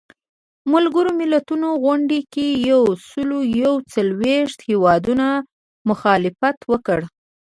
ملګرو ملتونو غونډې کې یو سلو یو څلویښت هیوادونو مخالفت وکړ.